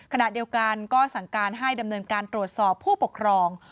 ขณะเดียวกันก็สั่งการให้ดำเนินการตรวจสอบผู้ปกครอง